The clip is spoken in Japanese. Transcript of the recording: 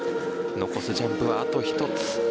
残すジャンプはあと１つ。